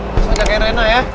masuk aja ke rena ya